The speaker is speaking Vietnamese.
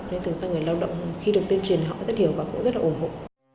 nên thực ra người lao động khi được tuyên truyền họ rất hiểu và cũng rất là ủng hộ